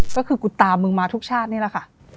ก็คือกูตามมึงมาทุกชาตินี่แหละค่ะ